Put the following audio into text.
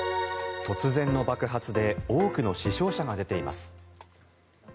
突然の爆発で多くの死傷者が出ています。